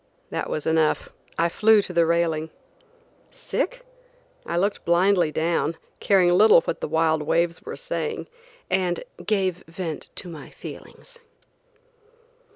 That was enough; I flew to the railing. Sick? I looked blindly down, caring little what the wild waves were saying, and gave vent to my feelings.